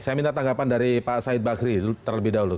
saya minta tanggapan dari pak said bakri terlebih dahulu